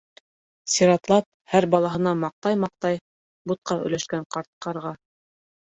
Сиратлап һәр балаһына маҡтай-маҡтай бутҡа өләшкән ҡарт ҡарға.